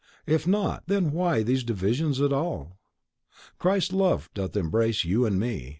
If not—then why these divisions at all? Christ's love doth embrace you and me.